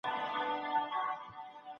د سياست علمي والی جنجالي موضوع ده.